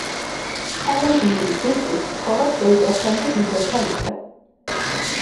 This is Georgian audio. მთავარი გმირი, ბიჭი, ცხოვრობს დეიდასთან და ბიძასთან ერთად.